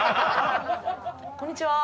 こんにちは。